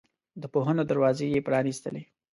د پوهنو دروازې یې پرانستلې.